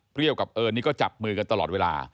กับเอิญนี่ก็จับมือกันตลอดเวลา